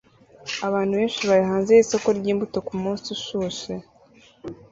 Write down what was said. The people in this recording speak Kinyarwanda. Abantu benshi bari hanze yisoko ryimbuto kumunsi ushushe